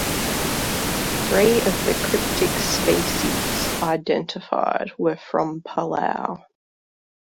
Three of the cryptic species identified were from Palau.